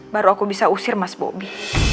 baru aku bisa usir mas bobi